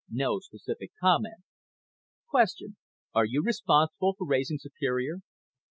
NO SPECIFIC COMMENT Q. ARE YOU RESPONSIBLE FOR RAISING SUPERIOR A.